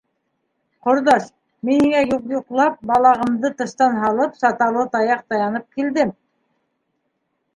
— Ҡорҙаш, мин һиңә юҡ-юҡлап, балағымды тыштан һалып, саталы таяҡ таянып килдем.